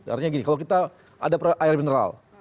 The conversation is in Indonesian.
artinya gini kalau kita ada air mineral